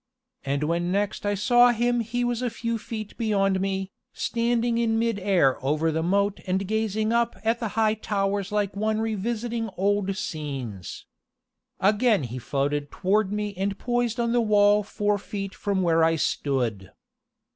And when next I saw him he was a few feet beyond me, standing in mid air over the moat and gazing up at the high towers like one revisiting old scenes. Again he floated toward me and poised on the wall four feet from where I stood.